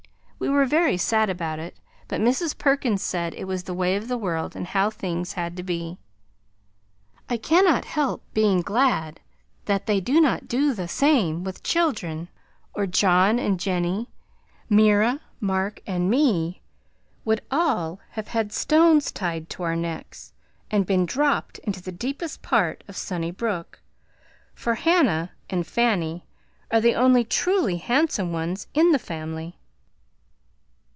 We were very sad about it, but Mrs. Perkins said it was the way of the world and how things had to be. I cannot help being glad that they do not do the same with children, or John and Jenny Mira Mark and me would all have had stones tied to our necks and been dropped into the deepest part of Sunny Brook, for Hannah and Fanny are the only truly handsome ones in the family.